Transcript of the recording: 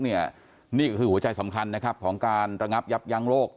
นี่คือหัวใจสำคัญของการระงับยับยั้งหรอก